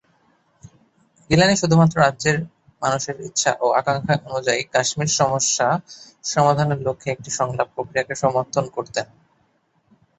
গিলানি শুধুমাত্র রাজ্যের মানুষের ইচ্ছা ও আকাঙ্ক্ষা অনুযায়ী কাশ্মীর সমস্যা সমাধানের লক্ষ্যে একটি সংলাপ প্রক্রিয়াকে সমর্থন করতেন।